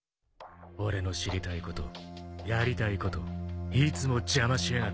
俺の知りたいことやりたいこといつも邪魔しやがって。